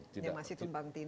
yang masih tumpang tindih